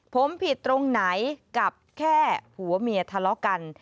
ผมผิดตรงไหนกับแค่ผัวเมียทะเลาะกัน